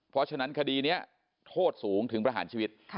เพราะฉะนั้นคดีนี้โทษสูงถึงประหารชีวิต